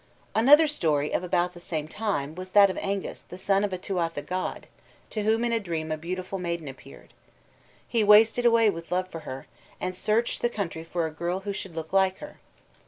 Another story of about the same time was that of Angus, the son of a Tuatha god, to whom in a dream a beautiful maiden appeared. He wasted away with love for her, and searched the country for a girl who should look like her.